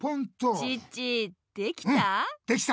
チッチできた？